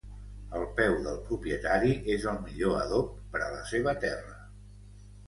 El peu del propietari és el millor adob per a la seva terra